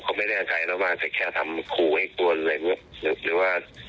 ก็ไม่อาจจะทำให้มันกลัว